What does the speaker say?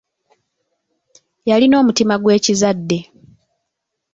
Yalina omutima gw'ekizadde.